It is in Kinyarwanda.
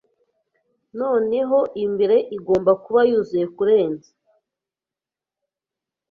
noneho imbere igomba kuba yuzuye kurenza